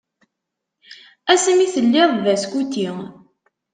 Ass mi telliḍ d askuti.